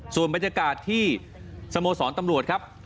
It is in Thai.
ส่วนบรรยากาศที่สโมสรตำรวจครับ